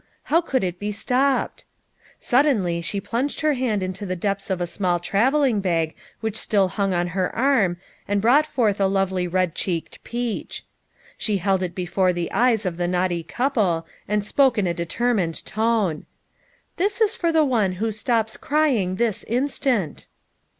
How could it be stopped ? Suddenly she plunged her hand into the depths of a small travelling bag which still hung on her 34 LITTLE FISHERS: AND THEIR NETS. arm, and brought forth a lovely red cheeked peach. She held it before the eyes of the naughty couple and spoke in a determined tone :" This is for the one who stops crying this instant."